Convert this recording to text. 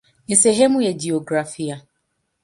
Ni sehemu ya jiografia.